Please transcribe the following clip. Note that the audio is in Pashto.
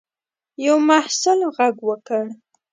یوه محصل غږ وکړ.